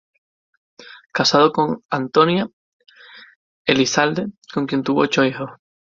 Casado con "Antonia Elizalde", con quien tuvo ocho hijos.